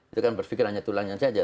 itu kan berpikir hanya tulangnya saja